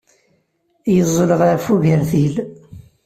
Yeẓẓel ɣef ugertil.